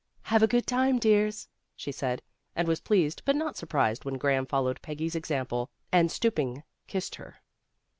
"Have a good time, dears," she said, and was pleased but not sur prised when Graham followed Peggy's ex ample, and stooping kissed her.